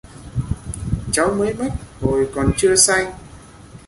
cháu mới mất hồi còn chưa xanh